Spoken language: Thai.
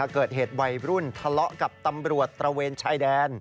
เกิดเหตุวัยรุ่นทะเลาะกับตำรวจตระเวนชายแดน